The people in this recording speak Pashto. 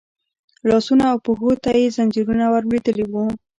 لاسونو او پښو ته يې ځنځيرونه ور لوېدلي وو.